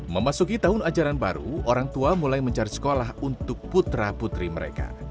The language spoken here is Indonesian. memasuki tahun ajaran baru orang tua mulai mencari sekolah untuk putra putri mereka